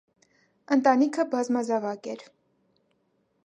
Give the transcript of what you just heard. Ընտանիքը բազմազավակ էր։